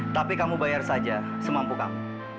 tapi kamu bayar saja semampu kamu